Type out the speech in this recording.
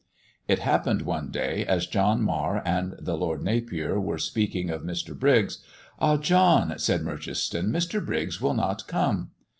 It happened one day, as John Marr and the Lord Napier were speaking of Mr. Briggs: 'Ah! John,' said Merchiston, 'Mr. Briggs will not come.'